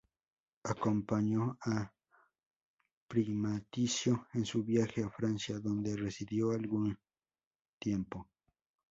Acompañó a Primaticcio en su viaje a Francia, donde residió algún tiempo.